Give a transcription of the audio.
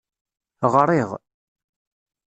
Ɣṛiɣ.